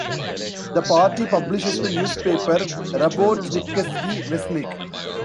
The party publishes the newspaper "Rabotnicheski Vestnik".